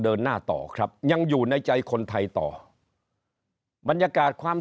เดินหน้าต่อครับยังอยู่ในใจคนไทยต่อบรรยากาศความ